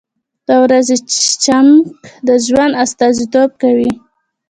• د ورځې چمک د ژوند استازیتوب کوي.